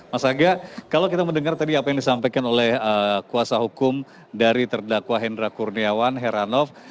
mas aga kalau kita mendengar tadi apa yang disampaikan oleh kuasa hukum dari terdakwa hendra kurniawan heranov